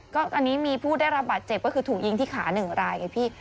ก็อันนี้มีผู้ได้รับบาดเจ็บก็คือถูกยิงที่ขา๑รายไงพี่